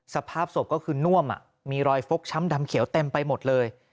สภาพศพก็คือน่วมมีรอยฟกช้ำดำเขียวเต็มไปหมดเลย